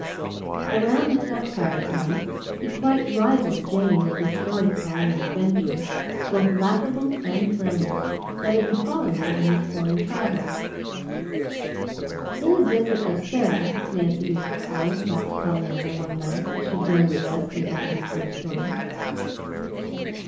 Around the camp fire at night he quite rivaled Jamie with his story telling of adventures, both laughable and thrilling, that had befallen him in his foreign travels. "In the 'Desert of Sarah,' Nancy used to call it," laughed Pollyanna one night, as she joined the rest in begging for a story.